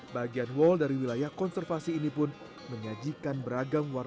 bagian wall dari wilayah konservasi ini pun menyajikan beragam warna